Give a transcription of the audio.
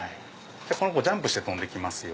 この子ジャンプして跳んで来ますよ。